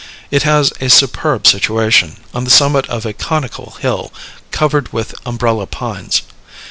It has a superb situation, on the summit of a conical hill, covered with umbrella pines.